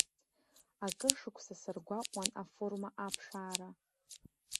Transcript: Акыр шықәса саргәаҟуан аформа аԥшаара.